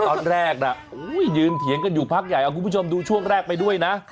ตอนแรกน่ะยืนเถียงกันอยู่พักใหญ่เอาคุณผู้ชมดูช่วงแรกไปด้วยนะ